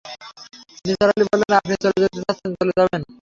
নিসার আলি বললেন, আপনি চলে যেতে চাচ্ছেন, চলে যাবেন।